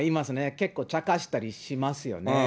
結構、茶化したりしますよね。